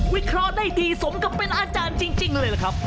เคราะห์ได้ดีสมกับเป็นอาจารย์จริงเลยล่ะครับ